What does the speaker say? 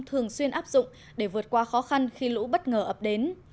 thường xuyên áp dụng để vượt qua khó khăn khi lũ bất ngờ ập đến